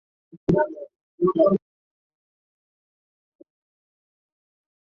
আঠারো শতকে আদমশুমারির আধুনিক যুগ শুরু হয়।